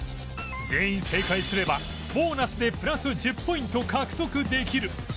全員正解すればボーナスでプラス１０ポイント獲得できる